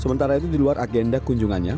sementara itu di luar agenda kunjungannya